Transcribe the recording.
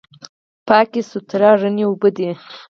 پاکې، سوتره، رڼې اوبه دي.